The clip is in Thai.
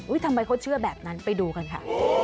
ทำไมเขาเชื่อแบบนั้นไปดูกันค่ะ